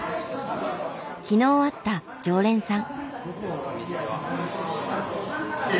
昨日会った常連さん。